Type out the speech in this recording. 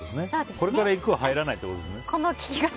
これから行くは入らないってことですよね。